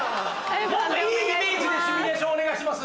もっといいイメージでシミュレーションお願いします。